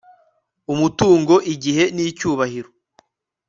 umutungo, igihe n'icyubahiro